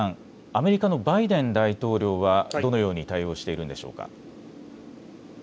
アメリカのバイデン大統領はどのように対応しているのでしょうか。